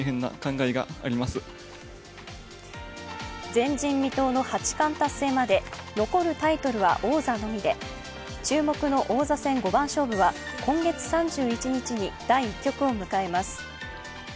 前人未到の八冠達成まで残るタイトルは王座のみで注目の王座戦五番勝負は今月３１日に第１局を迎えます。